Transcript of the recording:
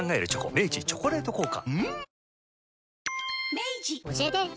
明治「チョコレート効果」